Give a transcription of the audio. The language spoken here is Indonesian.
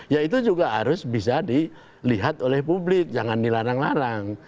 ya itu juga harus bisa dilihat oleh publik jangan dilarang larang